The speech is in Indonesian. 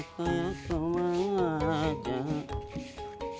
karita ku mengajak